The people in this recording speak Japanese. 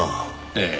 ええ。